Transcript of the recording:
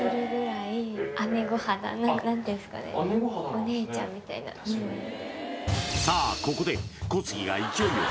お姉ちゃんみたいなさあ